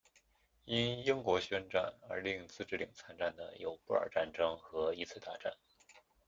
因英国宣战而令自治领参战的有布尔战争和一次大战。